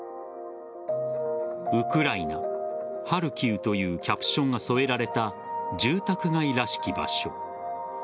ウクライナ、ハルキウというキャプションが添えられた住宅街らしき場所。